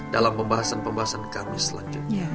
dalam pembahasan pembahasan kami selanjutnya